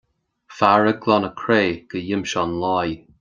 Fear ag glanadh cré de ghimseán láí.